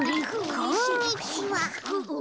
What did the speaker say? こんにちは。